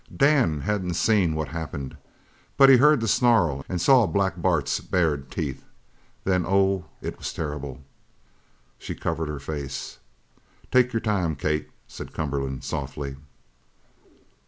Dan hadn't seen what happened, but he heard the snarl and saw Black Bart's bared teeth. Then oh, it was terrible!" She covered her face. "Take your time, Kate," said Cumberland softly.